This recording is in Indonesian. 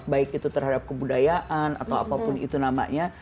baik itu terhadap kebudayaan atau apapun itu namanya